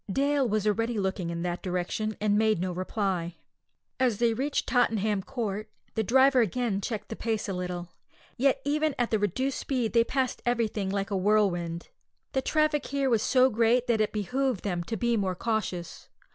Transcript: Dale was already looking in that direction, and made no reply. As they reached Tottenham Court Road the driver again checked the pace a little; yet even at the reduced speed they passed everything like a whirlwind. The traffic here was so great that it behoved them to be more cautious.